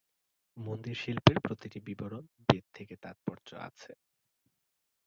মন্দির শিল্পের প্রতিটি বিবরণ বেদ থেকে তাৎপর্য আছে।